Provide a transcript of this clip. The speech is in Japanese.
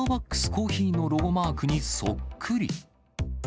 コーヒーのロゴマークにそっくり。